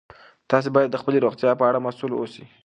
تاسي باید د خپلې روغتیا په اړه مسؤل اوسئ.